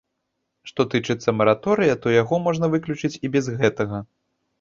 Што тычыцца мараторыя, то яго можна выключыць і без гэтага.